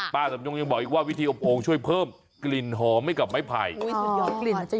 ป้าสมยงยังบอกอีกว่าวิธีอบโอ่งช่วยเพิ่มกลิ่นหอมให้กับไม้ไผล